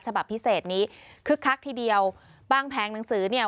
ฉบับพิเศษนี้คึกคักทีเดียวบางแผงหนังสือเนี่ย